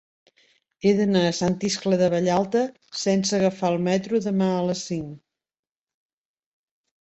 He d'anar a Sant Iscle de Vallalta sense agafar el metro demà a les cinc.